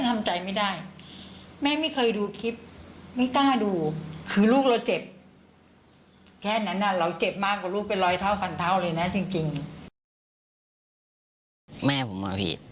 แม่ผมบอกว่าผิด